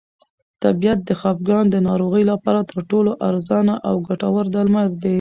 طبیعت د خپګان د ناروغۍ لپاره تر ټولو ارزانه او ګټور درمل دی.